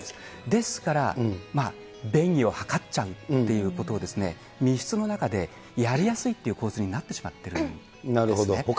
ですから、便宜を図っちゃうっていうことを、密室の中でやりやすいっていう構図になってしまってなるほど。